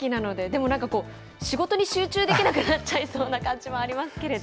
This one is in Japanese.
でもなんかこう、仕事に集中できなくなっちゃいそうな感じもありますけれど。